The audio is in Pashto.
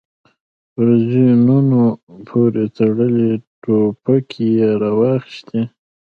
پر زينونو پورې تړلې ټوپکې يې را واخيستې.